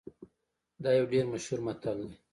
دا یو ډیر مشهور متل دی